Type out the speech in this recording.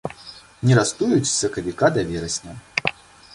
Нерастуюць з сакавіка да верасня.